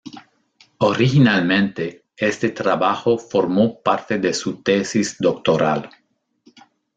Originalmente, este trabajo formó parte de su tesis doctoral.